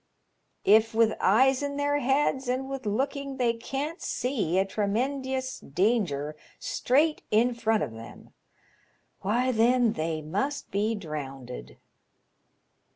If, with eyes in their heads and with look ing they can't see a tremendious danger straight in front of them, why, then, they must be drownded."